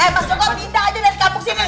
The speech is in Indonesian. eh mas joko pindah aja dari kampung sini